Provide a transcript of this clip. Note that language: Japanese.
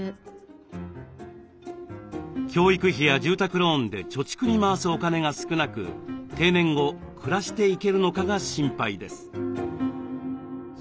教育費や住宅ローンで貯蓄に回すお金が少なく定年後暮らしていけるのかが心配です。